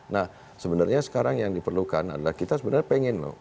nah sebenarnya sekarang yang diperlukan adalah kita sebenarnya pengen loh